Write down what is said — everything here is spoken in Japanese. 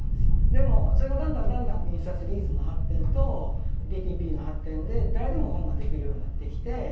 でも、それがだんだんだんだん印刷技術の発展とＤＰＰの発展で誰でも本ができるようになってきて。